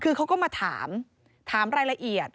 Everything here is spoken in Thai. คือเขาก็มาถามถามรายละเอียด